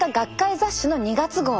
雑誌の２月号。